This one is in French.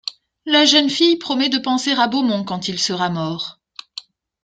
La jeune fille promet de penser à Beaumont quand il sera mort.